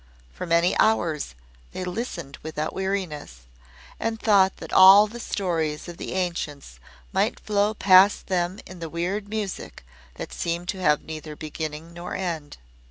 For many hours they listened without weariness, and thought that all the stories of the ancients might flow past them in the weird music that seemed to have neither beginning nor end.